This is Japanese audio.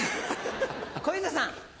小遊三さん。